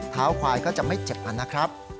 เท้าควายก็จะไม่เจ็บนะครับ